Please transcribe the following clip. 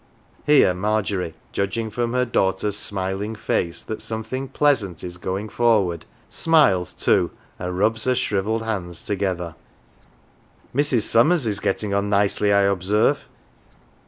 Here Margery, judging from her daughter's smiling face that something pleasant is going forward, smiles too and rubs her shrivelled hands together. " Mrs. Summers is getting on nicely," I observe.